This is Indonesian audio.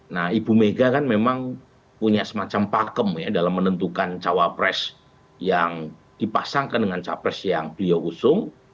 nah ibu mega kan memang punya semacam pakem ya dalam menentukan cawapres yang dipasangkan dengan capres yang beliau usung